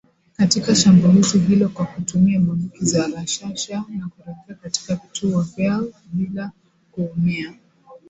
Katika shambulizi hilo kwa kutumia bunduki za rashasha na kurejea katika vituo vyao bila kuumia.